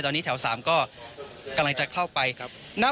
ตอนนี้แถว๓ก็กำลังจะเข้าไปครับ